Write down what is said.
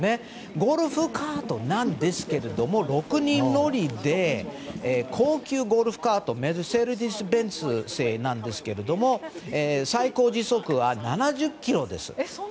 ゴルフカートなんですけれども６人乗りで、高級ゴルフカートメルセデス・ベンツ製なんですけど最高時速は７０キロです。